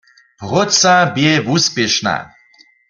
Próca bě wuspěšna.